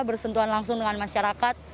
bersentuhan langsung dengan masyarakat